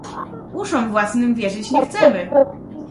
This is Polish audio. "Uszom własnym wierzyć nie chcemy!"